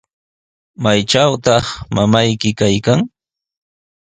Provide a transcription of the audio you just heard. ¿Maytrawtaq mamayki kaykan?